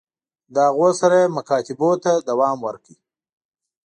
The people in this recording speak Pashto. له هغوی سره یې مکاتبو ته دوام ورکړ.